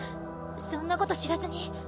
そんなこと知らずに。